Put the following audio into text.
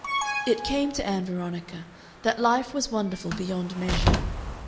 It came to Ann Veronica that life was wonderful beyond measure.